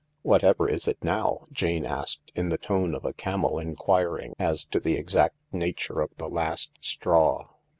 " Whatever isit now ?" Jane asked, in the tone of a camel enquiring as to the exact nature of the last straw.